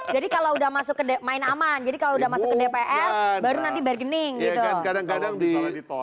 jadi kalau udah masuk ke dpl baru nanti berkening gitu